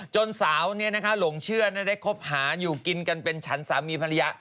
จนสาวหลงเชื่อได้คบหาอยู่กินกันเป็นฉันสามีภรรยา